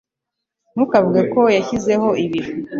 Ntukavuge ko yashyizeho ibiro.